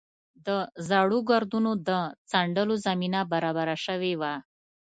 د زړو ګردونو د څنډلو زمینه برابره شوې وه.